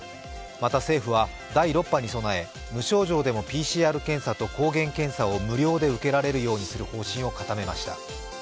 また、政府は第６波に備え、無症状でもＰＣＲ検査と抗原検査を無料で受けられるようにする方針を固めました。